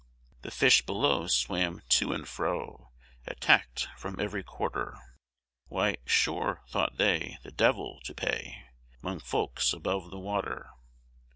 The fish below swam to and fro, Attack'd from every quarter; Why, sure (thought they), the De'il's to pay 'Mong folks above the water.